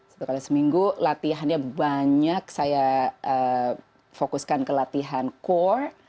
satu kali seminggu latihannya banyak saya fokuskan ke latihan core